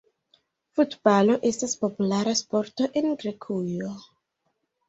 Futbalo estas populara sporto en Grekujo.